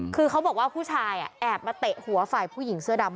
คือเขาบอกว่าผู้ชายแอบมาเตะหัวฝ่ายผู้หญิงเสื้อดำ